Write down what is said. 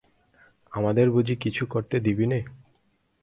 আমাদের বুঝি কিছু করতে দিবি নে?